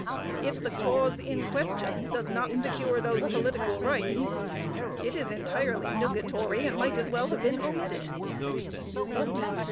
_If the clause in question does not secure those political rights, it is entirely nugatory, and might as well have been omitted.